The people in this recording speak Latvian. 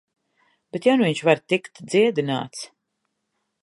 Bet ja nu viņš var tikt dziedināts...